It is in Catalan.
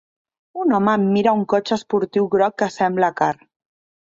Un home admira un cotxe esportiu groc que sembla car.